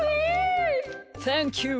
サンキュー。